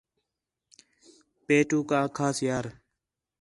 پیٹھوک آکھاس یار